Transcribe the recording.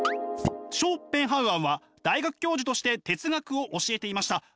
ショーペンハウアーは大学教授として哲学を教えていました。